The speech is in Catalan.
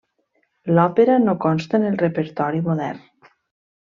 L'òpera no consta en el repertori modern.